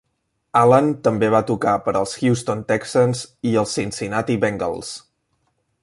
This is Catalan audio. Allen també va tocar per als Houston Texans i els Cincinnati Bengals.